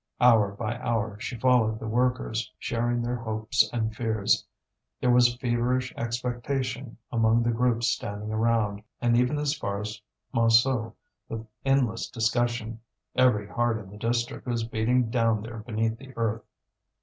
Hour by hour she followed the workers, sharing their hopes and fears. There was feverish expectation among the groups standing around, and even as far as Montsou, with endless discussion. Every heart in the district was beating down there beneath the earth.